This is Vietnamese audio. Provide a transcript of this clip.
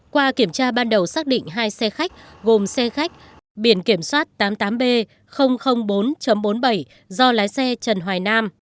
qua kiểm tra ban đầu xác định hai xe khách gồm xe khách biển kiểm soát tám mươi tám b bốn bốn mươi bảy do lái xe trần hoài nam